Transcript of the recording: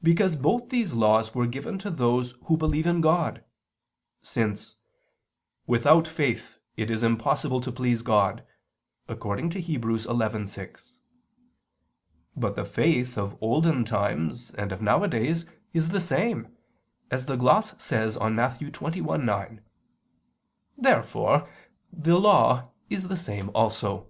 Because both these laws were given to those who believe in God: since "without faith it is impossible to please God," according to Heb. 11:6. But the faith of olden times and of nowadays is the same, as the gloss says on Matt. 21:9. Therefore the law is the same also.